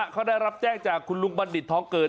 เขาได้รับแจ้งจากคุณลุงบัณฑิตทองเกิด